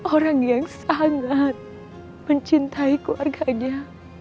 orang yang sangat mencintai keluarganya